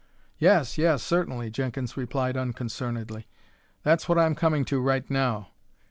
"Yes, yes, certainly," Jenkins replied unconcernedly. "That's what I'm coming to right now."